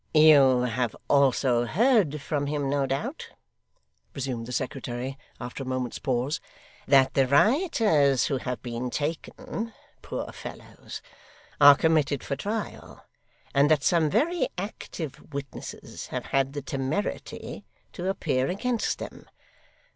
'You have also heard from him, no doubt,' resumed the secretary, after a moment's pause, 'that the rioters who have been taken (poor fellows) are committed for trial, and that some very active witnesses have had the temerity to appear against them.